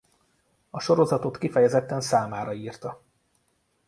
A sorozatot kifejezetten számára írta.